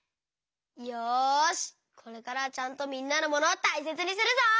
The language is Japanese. よしこれからはちゃんとみんなのモノをたいせつにするぞ！